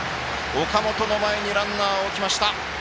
岡本の前にランナーを置きました。